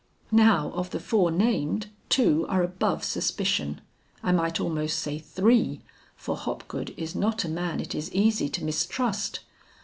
Now of the four named, two are above suspicion. I might almost say three, for Hopgood is not a man it is easy to mistrust.